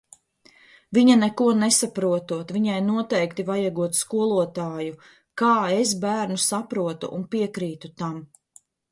Viņa neko nesaprotot, viņai noteikti vajagot skolotāju! kā es bērnu saprotu un piekrītu tam!